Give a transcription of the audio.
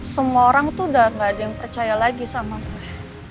semua orang tuh udah gak ada yang percaya lagi sama gue